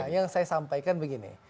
yang saya sampaikan begini